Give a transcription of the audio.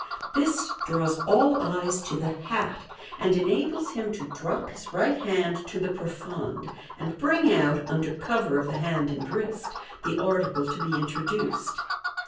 This draws all syes to the hat, and enables him to drop his right hand to the profonde, and bring out, under cover of the hand and wrist, the article to be introduced.